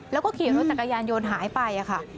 แล้วก็ขี่รถจักรยานยนต์หายไปค่ะ